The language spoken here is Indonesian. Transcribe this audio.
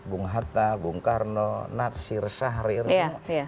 bung hatta bung karno natsir syahrir